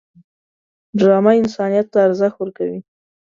ډرامه انسانیت ته ارزښت ورکوي